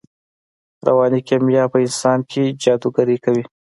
رواني کیمیا په انسان کې جادوګري کوي